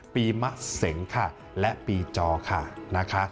มะเสงค่ะและปีจอค่ะนะคะ